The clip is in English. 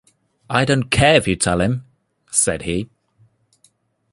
I don’t care if you tell him,’ said he.